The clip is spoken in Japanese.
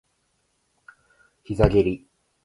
膝蹴り